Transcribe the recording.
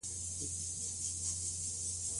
څه په نه کولو چی امر کوی